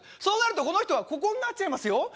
そうなるとこの人はここになっちゃいますよ